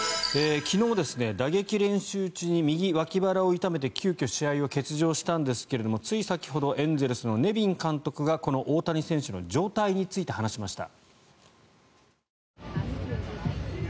昨日、打撃練習中に右脇腹を痛めて急きょ、試合を欠場したんですがつい先ほどエンゼルスのネビン監督が大谷選手の状態について話しました。